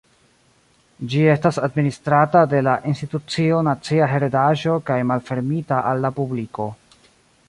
Ĝi estas administrata de la Institucio Nacia Heredaĵo kaj malfermita al la publiko.